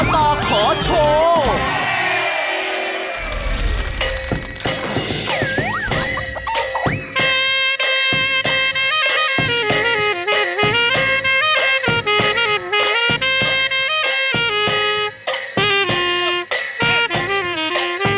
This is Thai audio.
งั้นเราไปชมพร้อมกันเลยครับ